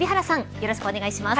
よろしくお願いします。